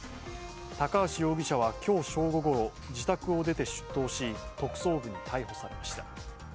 高橋容疑者は今日正午ごろ自宅を出て出頭し特捜部に逮捕されました。